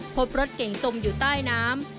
พบรถเก่งจมอยู่ใต้น้ำ